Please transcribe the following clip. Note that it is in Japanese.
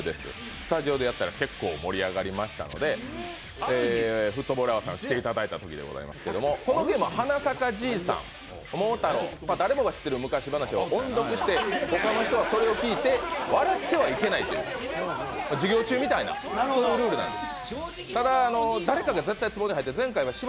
スタジオでやったら結構盛り上がりましたので、フットボールアワーさん来ていただいたときですがこのゲームは、「花さかじいさん」「桃太郎」、誰もが知ってる昔話を音読して、他の人はそれを聞いて笑ってはいけないという、授業中みたいな、そういうルールなんです。